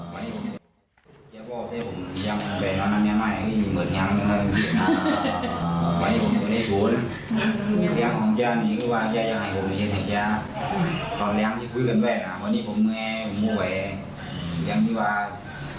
วันนี้พี่ฮุลเกินไปนะวันนี้ผมเมย์ผมโมเวด